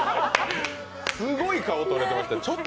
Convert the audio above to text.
すごい顔、撮れてましたよ。